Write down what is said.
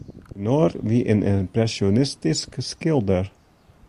Renoir wie in ympresjonistysk skilder.